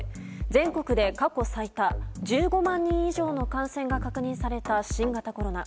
全国で過去最多１５万人以上の感染が確認された、新型コロナ。